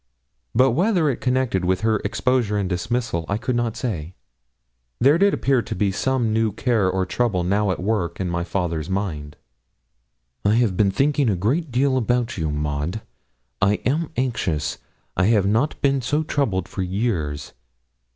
But whether connected with her exposure and dismissal, I could not say, there did appear to be some new care or trouble now at work in my father's mind. 'I have been thinking a great deal about you, Maud. I am anxious. I have not been so troubled for years.